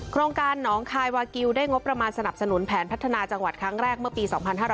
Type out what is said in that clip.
โครงการหนองคายวากิลได้งบประมาณสนับสนุนแผนพัฒนาจังหวัดครั้งแรกเมื่อปี๒๕๕๙